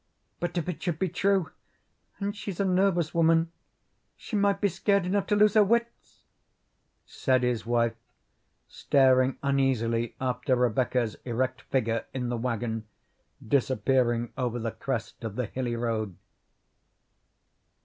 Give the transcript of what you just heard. "But if it should be true, and she's a nervous woman, she might be scared enough to lose her wits," said his wife, staring uneasily after Rebecca's erect figure in the wagon disappearing over the crest of the hilly road.